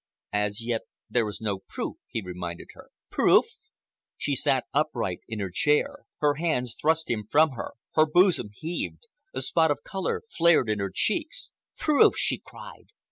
"As yet there is no proof," he reminded her. "Proof!" She sat upright in her chair. Her hands thrust him from her, her bosom heaved, a spot of color flared in her cheeks. "Proof!" she cried.